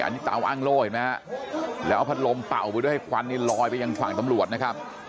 อันนี้เตาอ้างโล่เห็นไหมฮะแล้วเอาพัดลมเป่าไปด้วยควันนี่ลอยไปยังฝั่งตำรวจนะครับ